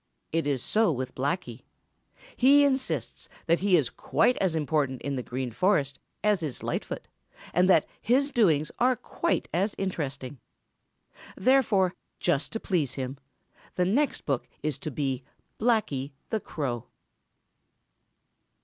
It is so with Blacky. He insists that he is quite as important in the Green Forest as is Lightfoot and that his doings are quite as interesting. Therefore just to please him the next book is to be Blacky the Crow.